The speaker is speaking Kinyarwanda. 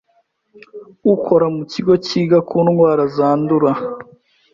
ukora mu kigo cyiga ku ndwara zandura